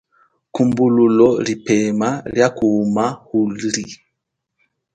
Kumbululo lipema lia kuhuma uli.